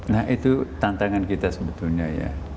nah itu tantangan kita sebetulnya ya